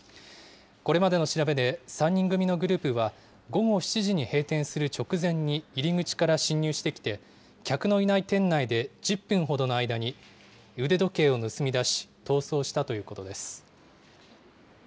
これまでの調べで、３人組のグループは午後７時に閉店する直前に、入り口から侵入してきて、客のいない店内で１０分ほどの間に、腕時計を盗み出し、逃走したということです。